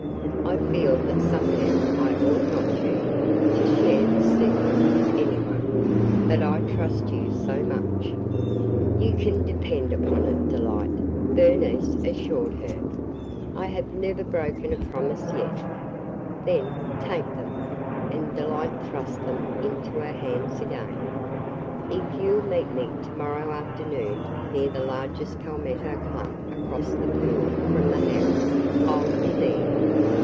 "I feel that somehow I ought not to – to share this secret with any one. But I trust you so much –" "You can depend upon it, Delight," Bernice assured her. "I have never broken a promise yet." "Then – take them!" and Delight thrust them into her hands again. "If you 'll meet me to morrow afternoon near the largest palmetto clump across the pool from the house, I 'll be there."